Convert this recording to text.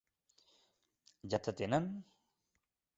Ja t'atenen?